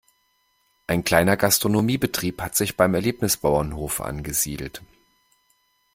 Ein kleiner Gastronomiebetrieb hat sich beim Erlebnisbauernhof angesiedelt.